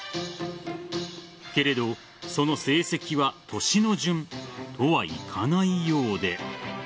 けれど、その成績は年の順とはいかないようで。